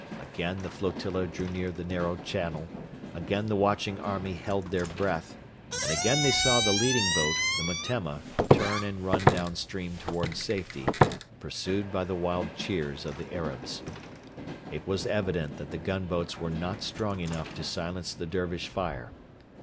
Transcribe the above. Again the flotilla drew near the narrow channel; again the watching army held their breath; and again they saw the leading boat, the Metemma, turn and run down stream towards safety, pursued by the wild cheers of the Arabs. It was evident that the gunboats were not strong enough to silence the Dervish fire.